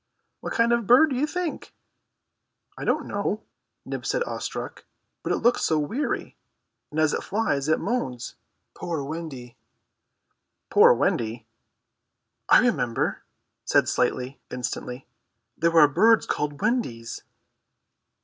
"What kind of a bird, do you think?" "I don't know," Nibs said, awestruck, "but it looks so weary, and as it flies it moans, 'Poor Wendy.'" "Poor Wendy?" "I remember," said Slightly instantly, "there are birds called Wendies."